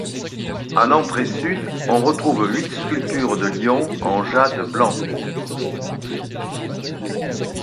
À l'entrée sud, on retrouve huit sculptures de lions en jade blanc.